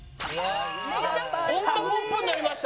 こんなポップになりました？